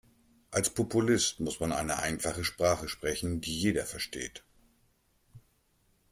Als Populist muss man eine einfache Sprache sprechen, die jeder versteht.